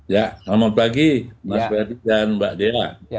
ya selamat pagi mas beri dan mbak dena